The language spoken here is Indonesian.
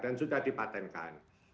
dan sudah dipatenkan